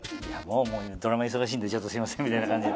もう「ドラマ忙しいんでちょっとすいません」みたいな感じよ。